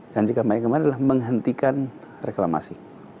janji kampanye kemarin adalah menghentikan reklamasi